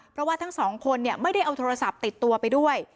เพราะว่าทั้งสองคนไม่ได้เอาโทรศัพท์ติดตัวไปด้วย